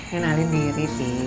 kenalin diri sih